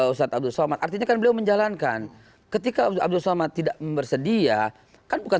ustadz abdul somad artinya kan beliau menjalankan ketika abdul somad tidak bersedia kan bukan